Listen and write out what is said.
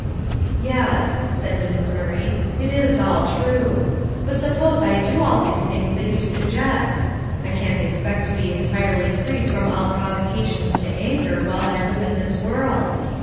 "Yes," said Mrs. Murray, "it is all true. But suppose I do all these things that you suggest. I can't expect to be entirely free from all provocations to anger while I live in this world.